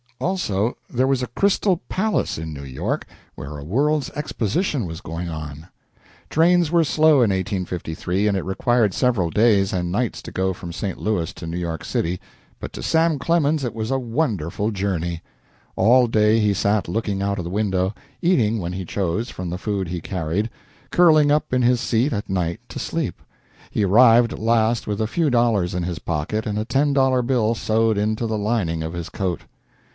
Also, there was a Crystal Palace in New York, where a world's exposition was going on. Trains were slow in 1853, and it required several days and nights to go from St. Louis to New York City, but to Sam Clemens it was a wonderful journey. All day he sat looking out of the window, eating when he chose from the food he carried, curling up in his seat at night to sleep. He arrived at last with a few dollars in his pocket and a ten dollar bill sewed into the lining of his coat.